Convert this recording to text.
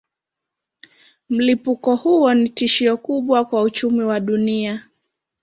Mlipuko huo ni tishio kubwa kwa uchumi wa dunia.